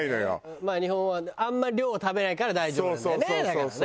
まあ日本はあんまり量は食べないから大丈夫なんだよねだからね。